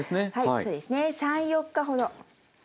そうですね３４日ほど。